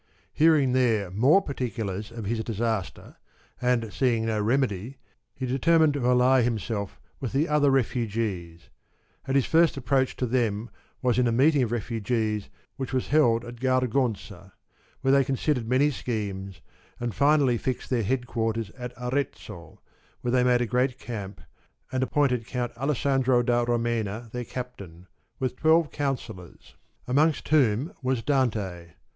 Hearing there more particulars of his disaster, and seeing no remedy, he determined to ally himself with the other refugees ; and his first approach to them was in a meeting of refugees which was held at Gar gonsa, where they considered many schemes and finally fixed their head quarters at Arezzo, where they made a great camp and appointed Count Alessandro da Romena their captain, with twelve councillors, amongst 1^7 • whom was Dante.